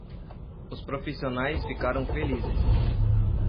Os profissionais ficaram felizes.